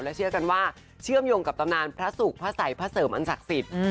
เชื่อกันว่าเชื่อมโยงกับตำนานพระสุขพระสัยพระเสริมอันศักดิ์สิทธิ์